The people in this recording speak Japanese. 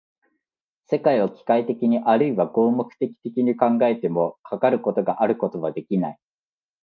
世界を機械的にあるいは合目的的に考えても、かかることがあることはできない。